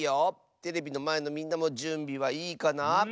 テレビのまえのみんなもじゅんびはいいかな？